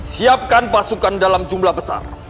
siapkan pasukan dalam jumlah besar